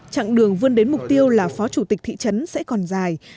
chặng đường vươn đến mục tiêu là phó chủ tịch thị trấn sẽ còn dài